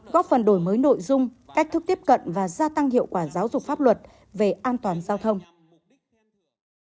góp phần đổi mới nội dung cách thức tiếp cận và gia tăng hiệu quả giáo dục pháp luật về an toàn giao thông